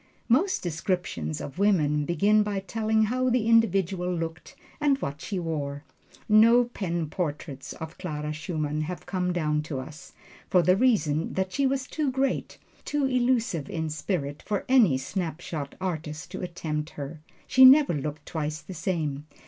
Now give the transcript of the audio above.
Most descriptions of women begin by telling how the individual looked and what she wore. No pen portraits of Clara Schumann have come down to us, for the reason that she was too great, too elusive in spirit, for any snapshot artist to attempt her. She never looked twice the same.